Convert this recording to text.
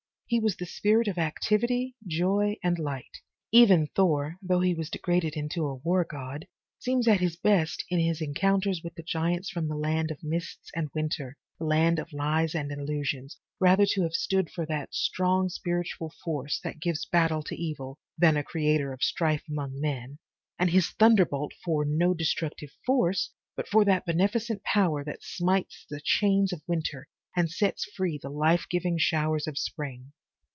He was the spirit of activity, joy and light. Even Thor, though he was degraded into a war god, seems at his best, in his encounters with the giants from the land of mists and winter, the land of lies and illusions, rather to have stood for that strong spiritual force that gives battle to evil, than a creator of strife among men, and his 187 MY BOOK HOUSE thunderbolt for no destructive force, but for that beneficent power that smites the chains of winter and sets free the hfe giving showers of spring.